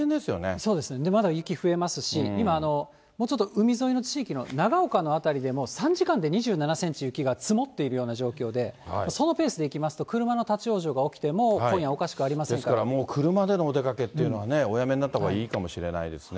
そうですね、まだ雪、増えますし、今、もうちょっと海沿いの地域のながおかの辺りでも３時間で２７センチ、雪が積もっているような状況で、そのペースでいきますと、車の立往生が起きても、今夜、おかしくですから、もう車でのお出かけっていうのはね、おやめになったほうがいいかもしれないですね。